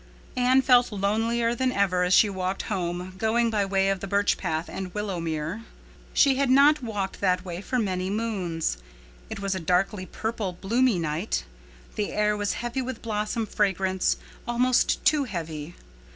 Anne felt lonelier than ever as she walked home, going by way of the Birch Path and Willowmere. She had not walked that way for many moons. It was a darkly purple bloomy night. The air was heavy with blossom fragrance—almost too heavy.